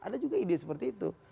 ada juga ide seperti itu